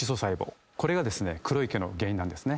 これが黒い毛の原因なんですね。